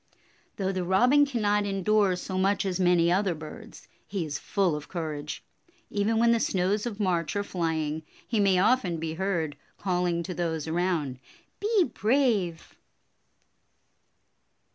Though the Robin cannot endure so much as many other birds, he is full of courage. Even when the snows of March are flying, he may often be heard calling to those around, "Be brave."